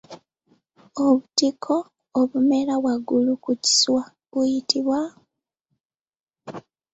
Obutiko obumera waggulu ku kiswa buyitibwa?